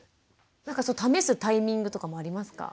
なんか試すタイミングとかもありますか？